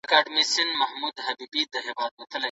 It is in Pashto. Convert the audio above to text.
دا کښته ځمکه تر هغې بلې ځمکې ډیره لنده ده.